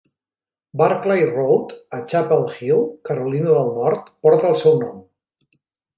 Barclay Road, a Chapel Hill, Carolina del Nord, porta el seu nom.